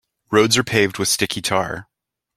Roads are paved with sticky tar.